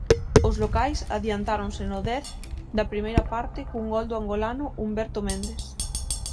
Os locais adiantáronse no dez da primeira parte cun gol do angolano Humberto Mendes.